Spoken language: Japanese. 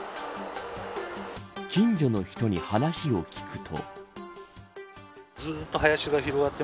近所の人に話を聞くと。